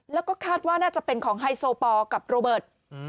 แล้วก็คาดว่าน่าจะเป็นของไฮโซปอลกับโรเบิร์ต